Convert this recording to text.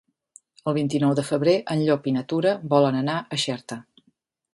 El vint-i-nou de febrer en Llop i na Tura volen anar a Xerta.